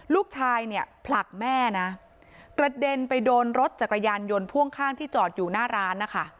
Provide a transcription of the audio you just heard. ลูกชายเนี่ยผลักแม่นะกระเด็นไปโดนรถจักรยานยนต์พ่วงข้างที่จอดอยู่หน้าร้านนะคะ